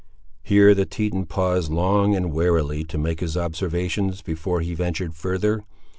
Here the Teton paused long and warily to make his observations, before he ventured further.